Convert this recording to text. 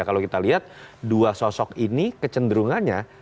kalau kita lihat dua sosok ini kecenderungannya